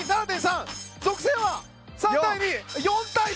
属性は３対２４対１！